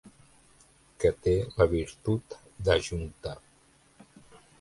Que té la virtut d'ajuntar.